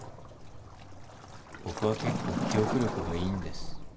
僕は結構記憶力がいいんです。